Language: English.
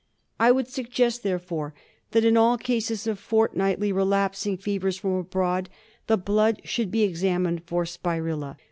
I would suggest, therefore, that in all cases of fort nightly relapsing fevers from abroad the blood should be examined for spirilla.